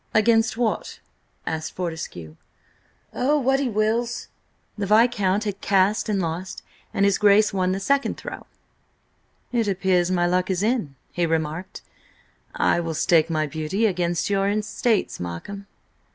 "Against what?" asked Fortescue. "Oh, what he wills!" The Viscount had cast and lost, and his Grace won the second throw. "It appears my luck is in," he remarked. "I will stake my beauty against your estates, Markham."